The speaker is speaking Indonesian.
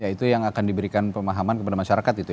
ya itu yang akan diberikan pemahaman kepada masyarakat